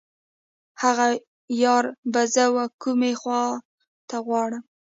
هغه یار به زه و کومې خواته غواړم.